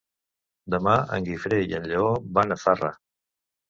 Demà en Guifré i en Lleó van a Zarra.